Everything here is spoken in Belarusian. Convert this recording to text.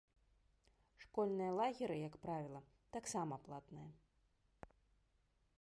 Школьныя лагеры, як правіла, таксама платныя.